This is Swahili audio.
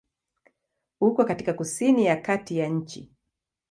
Uko katika kusini ya kati ya nchi.